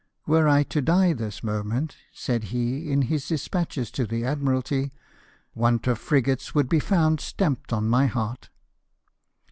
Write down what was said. " Were I to die this moment," said he in his despatches to the Admiralty, " want of frigates would be found stamped on my heart